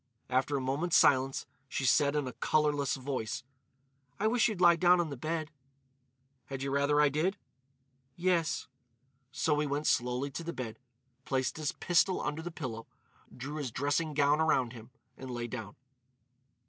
After a moment's silence she said in a colourless voice: "I wish you'd lie down on the bed." "Had you rather I did?" "Yes." So he went slowly to the bed, placed his pistol under the pillow, drew his dressing gown around him, and lay down.